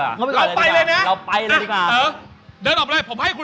เราไปเลยนะคุณ